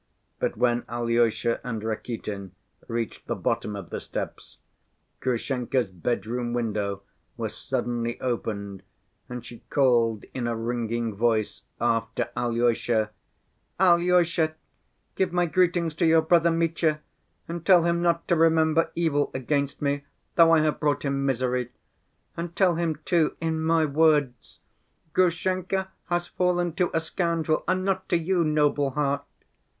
But when Alyosha and Rakitin reached the bottom of the steps, Grushenka's bedroom window was suddenly opened and she called in a ringing voice after Alyosha: "Alyosha, give my greetings to your brother Mitya and tell him not to remember evil against me, though I have brought him misery. And tell him, too, in my words: 'Grushenka has fallen to a scoundrel, and not to you, noble heart.